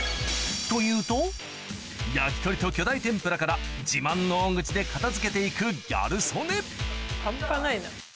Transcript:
と言うと焼き鳥と巨大天ぷらから自慢の大口で片付けて行くギャル曽根半端ないな。